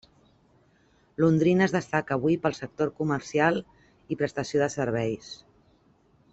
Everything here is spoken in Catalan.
Londrina es destaca avui pel sector comercial i prestació de serveis.